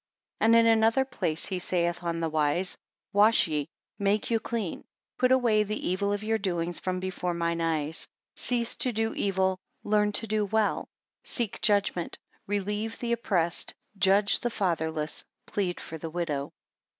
12 And in another place he saith on this wise: wash ye, make you clean; put away the evil of your doings from before mine eyes; cease to do evil, learn to do well; seek judgment, relieve the oppressed, judge the fatherless, plead for the widow.